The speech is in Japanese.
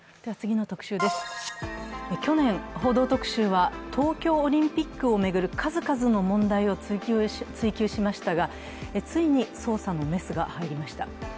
去年、「報道特集」は東京オリンピックを巡る数々の問題を追及しましたが、ついに捜査のメスが入りました。